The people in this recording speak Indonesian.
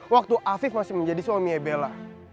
waktu afif masih menjadi suami ebela